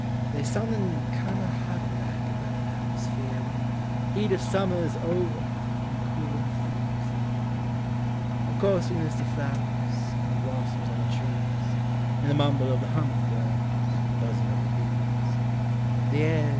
They's something kindo' harty like about the at musfere When the heat of summer 's over and the coolin' fall is here — Of course we miss the flowers, and the blossums on the trees, And the mumble of the hummingbirds and buzzin' of the bees; But the air